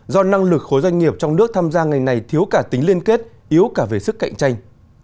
do năng lực khối doanh nghiệp trong nước tham gia ngành này thiếu cả tính liên kết yếu cả về sức cạnh tranh